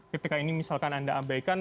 ketika ini misalkan anda abaikan